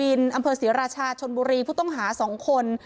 อำเภอศรีราชาชนบุรีผู้ต้องหา๒คน